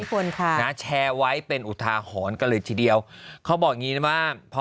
คนค่ะนะแชร์ไว้เป็นอุทาหรณ์กันเลยทีเดียวเขาบอกอย่างงี้นะว่าพอ